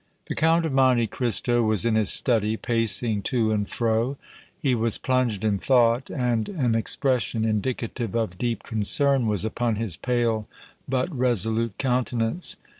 The Count of Monte Cristo was in his study, pacing to and fro; he was plunged in thought, and an expression indicative of deep concern was upon his pale, but resolute countenance.